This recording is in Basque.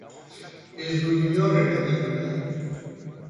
Ez dut inor engainatu nahi.